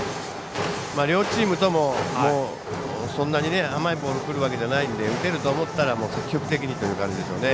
両チームともそんなに甘いボールがくるわけじゃないので打てると思ったら積極的にという感じでしょうね。